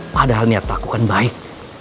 padahal niat aku kan baik